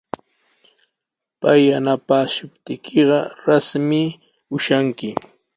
Pay yanapaashuptiykiqa rasmi ushanki.